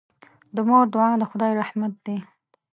د مور دعا د خدای رحمت دی.